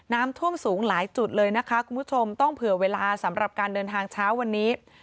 น้ำท่วมสูงหลายจุดเลยนะคะคุณผู้ชมต้องเผื่อเวลาสำหรับการเดินทางเช้าวันนี้